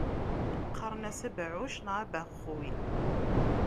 Qqaren-as abɛuc neɣ abexxuy.